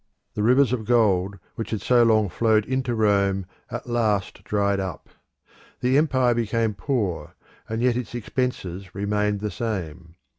The rivers of gold which had so long flowed into Rome at last dried up: the empire became poor, and yet its expenses remained the same.